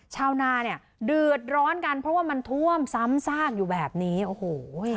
ชาวนาเนี่ยเดือดร้อนกันเพราะว่ามันท่วมซ้ำซากอยู่แบบนี้โอ้โห